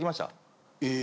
え。